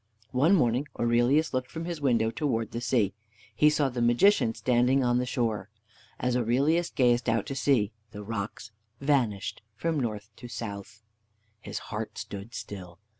One morning Aurelius looked from his window towards the sea. He saw the Magician standing on the shore. As Aurelius gazed out to sea, the rocks vanished from north to south. His heart stood still.